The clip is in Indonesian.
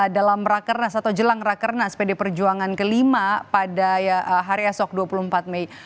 dalam rakernas atau jelang rakernas pd perjuangan kelima pada hari esok dua puluh empat mei